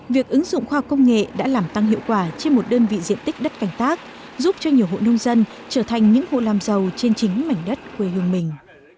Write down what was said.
việc ứng dụng khoa học công nghệ đã làm tăng hiệu quả trên một đơn vị diện tích đất canh tác giúp cho nhiều hộ nông dân trở thành những hộ làm giàu trên chính mảnh đất quê hương mình